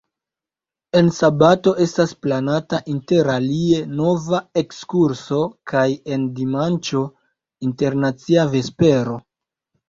En sabato estas planata interalie nova ekskurso, kaj en dimanĉo internacia vespero.